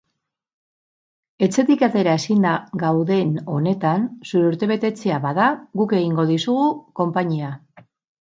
Etxetik atera ezinda gauden honetan zure urtebetetzea bada, guk egingo dizugu konpainia.